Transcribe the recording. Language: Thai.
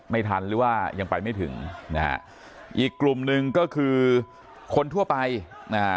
ไม่ทันหรือว่ายังไปไม่ถึงนะฮะอีกกลุ่มหนึ่งก็คือคนทั่วไปนะฮะ